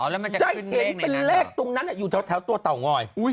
เดี๋ยวจะเห็นเลขตรงนั้นอยู่ถ้าวตัวเต่างอย